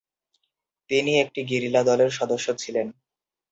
তিনি একটি গেরিলা দলের সদস্য ছিলেন।